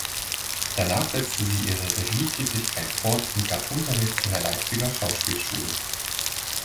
Danach setzte sie ihre Regietätigkeit fort und gab Unterricht an der Leipziger Schauspielschule.